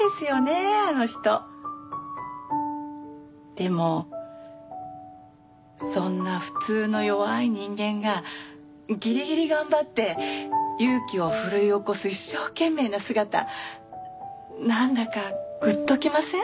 でもそんな普通の弱い人間がギリギリ頑張って勇気を奮い起こす一生懸命な姿なんだかグッときません？